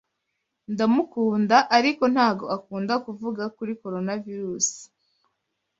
Ndamukunda, ariko ntago akunda kuvuga kuri Coronavirusi